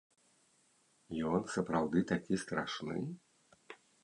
Ён сапраўды такі страшны?